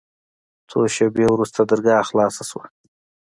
څو شېبې وروسته درګاه خلاصه سوه.